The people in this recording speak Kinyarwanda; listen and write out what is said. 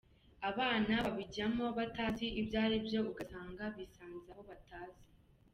Abana babijyamo batazi ibyo ari byo ugasanga bisanze aho abatazi”.